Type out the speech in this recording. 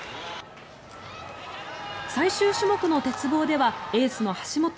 最終種目の鉄棒ではエースの橋本。